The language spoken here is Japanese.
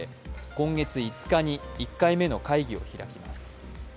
今月５日に１回目の会議を開きます。